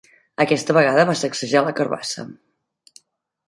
Aquesta vegada va sacsejar la carabassa.